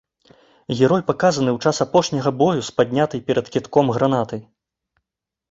Герой паказаны ў час апошняга бою з паднятай перад кідком гранатай.